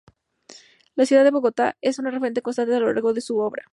La ciudad de Bogotá es un referente constante a lo largo de su obra.